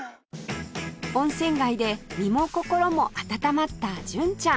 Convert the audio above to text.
温泉街で身も心も温まった純ちゃん